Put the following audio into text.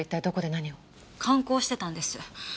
観光してたんです。